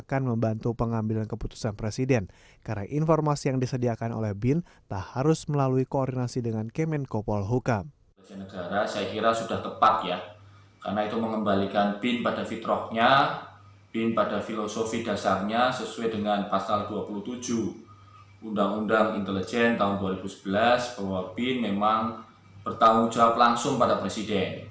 karena itu mengembalikan bin pada fitrohnya bin pada filosofi dasarnya sesuai dengan pasal dua puluh tujuh undang undang intelijen tahun dua ribu sebelas bahwa bin memang bertanggung jawab langsung pada presiden